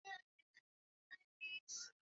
sema asante redio france international